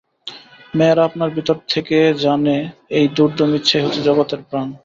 মেয়েরা আপনার ভিতর থেকে জানে, এই দুর্দম ইচ্ছাই হচ্ছে জগতের প্রাণ।